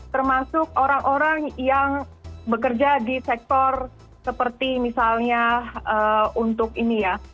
termasuk orang orang yang bekerja di sektor seperti misalnya untuk ini ya